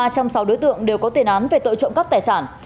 ba trong sáu đối tượng đều có tên án về tội trộm cắp tài sản